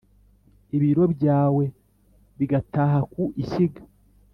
ibiryo byawe bigataha ku ishyiga